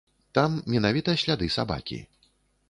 Там менавіта сляды сабакі.